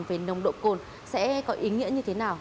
về nồng độ cồn sẽ có ý nghĩa như thế nào